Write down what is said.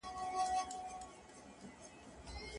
خلک به له ډېر وخت راهیسې دې کار ته انتظار باسي.